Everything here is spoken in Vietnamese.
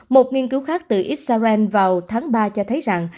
một nghiên cứu khác từ israel vào tháng ba cho thấy rằng